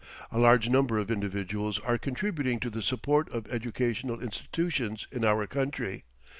A large number of individuals are contributing to the support of educational institutions in our country.